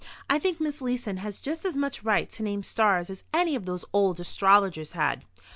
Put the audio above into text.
"I think Miss Leeson has just as much right to name stars as any of those old astrologers had."